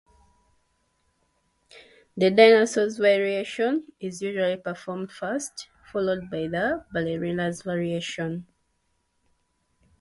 The danseur's variation is usually performed first, followed by the ballerina's variation.